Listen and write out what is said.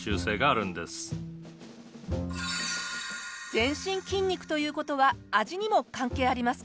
全身筋肉という事は味にも関係ありますか？